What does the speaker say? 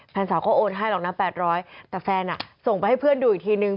แฟนสาวก็โอนให้หรอกนะ๘๐๐แต่แฟนส่งไปให้เพื่อนดูอีกทีนึง